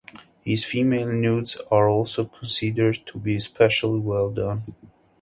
His female nudes are also considered to be especially well done.